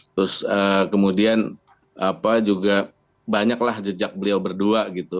terus kemudian juga banyaklah jejak beliau berdua gitu